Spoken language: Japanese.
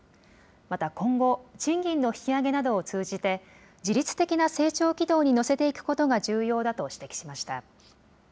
また、今後、賃金の引き上げなどを通じて、自律的な成長軌道に乗せていくことが重要だと指摘しました。